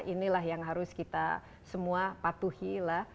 inilah yang harus kita semua patuhi lah